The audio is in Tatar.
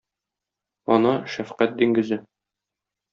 Ана — шәфкать диңгезе.